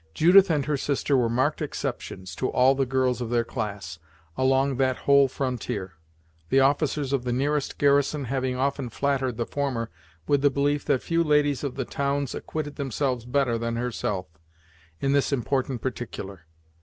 Judith and her sister were marked exceptions to all the girls of their class, along that whole frontier; the officers of the nearest garrison having often flattered the former with the belief that few ladies of the towns acquitted themselves better than herself, in this important particular.